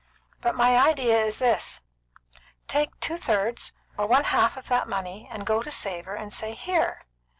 "But my idea is this: Take two thirds or one half of that money, and go to Savor, and say: 'Here!